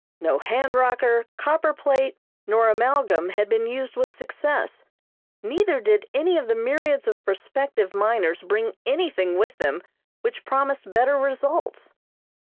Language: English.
No hand rocker, copper plate, nor amalgam had been used with success, neither did any of the myriads of prospective miners bring anything with them which promised better results.